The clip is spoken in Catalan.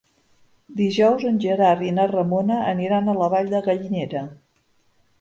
Dijous en Gerard i na Ramona aniran a la Vall de Gallinera.